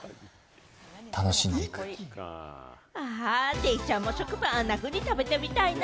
デイちゃんも食パン、あんなふうに食べてみたいな。